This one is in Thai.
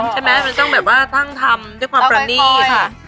ใช่ไหมมันต้องแบบว่าทั้งทำด้วยความประนีตค่ะ